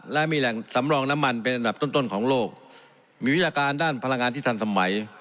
และมีแหล่งสำรองน้ำมันเป็นอันดับต้นต้นของโลกมีวิชาการด้านพลังงานที่ทันสมัย